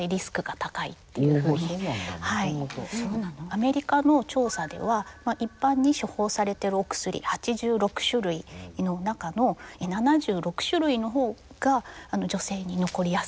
アメリカの調査では一般に処方されているお薬８６種類の中の７６種類の方が女性に残りやすいっていう。